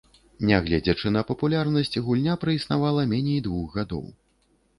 Нягледзячы на папулярнасць, гульня праіснавала меней двух гадоў.